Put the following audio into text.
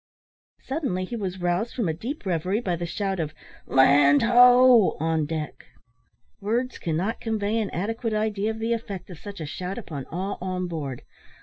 Suddenly he was roused from a deep reverie by the shout of "Land, ho!" on deck. Words cannot convey an adequate idea of the effect of such a shout upon all on board.